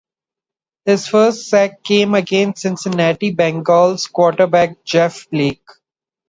His first sack came against Cincinnati Bengals quarterback Jeff Blake.